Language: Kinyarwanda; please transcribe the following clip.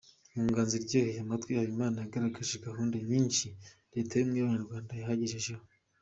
Mu nganzo iryoheye amatwi, Habimana yagaragaje gahunda nyinshi leta y’ubumwe bw’Abanyarwanda yabagejejeho.